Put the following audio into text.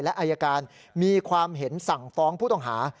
และอายการมีความเห็นสั่งฟ้องผู้ต้องหา